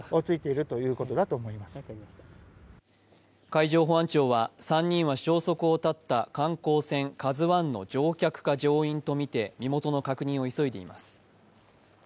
海上保安庁は３人は消息を絶った観光船「ＫＡＺＵⅠ」の乗客か乗員とみて、身元の確認を急いでいます。